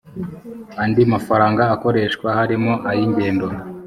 Andi mafaranga akoreshwa harimo ay ingendo